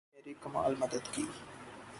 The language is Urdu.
قدرت نے میری کمال مدد کی